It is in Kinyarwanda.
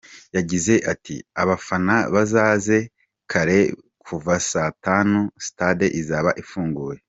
Yagize ati “Abafana bazaze kare, kuva saa tanu stade izaba ifunguye.